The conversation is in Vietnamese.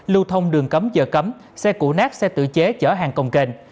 lưu thông đường cấm giờ cấm xe củ nát xe tự chế chở hàng công kền